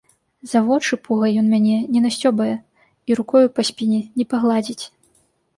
За вочы пугай ён мяне не насцёбае і рукою па спіне не пагладзіць.